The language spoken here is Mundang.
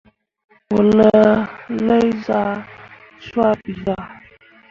Wǝ laa lai zah swaa ɓirah.